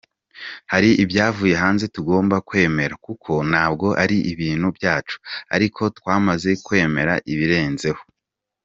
Hari ibyavuye hanze tutagomba kwemera kuko ntabwo ari ibintu byacu, ariko twamaze kwemera ibirenzeho.